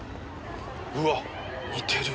うわっ似てる。